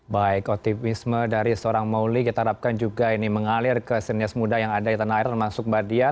baik optimisme dari seorang mauli kita harapkan juga ini mengalir ke sinias muda yang ada di tanah air termasuk mbak dian